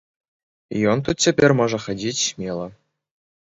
Ён тут цяпер можа хадзіць смела.